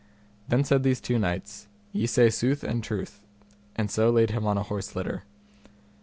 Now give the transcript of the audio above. Then said these two knights, Ye say sooth and truth, and so laid him on a horse litter.